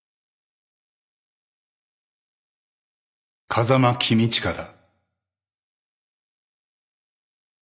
風間公親だ。